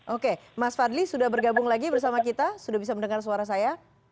oke mas fadli sudah bergabung lagi bersama kita sudah bisa mendengar suara saya